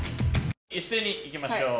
一斉にいきましょう。